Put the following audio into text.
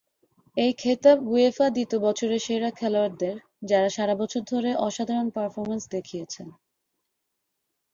এই খেতাব উয়েফা দিত বছরের সেরা খেলোয়াড়দের যারা সারা বছর ধরে অসাধারণ পারফরম্যান্স দেখিয়েছেন।